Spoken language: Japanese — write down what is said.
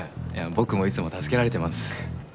僕もいつも助けられてます。